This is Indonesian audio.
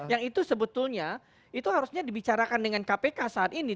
yang itu sebetulnya itu harusnya dibicarakan dengan kpk saat ini